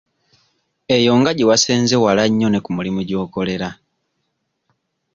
Eyo nga gye wasenze wala nnyo ne ku mulimu gy'okolera.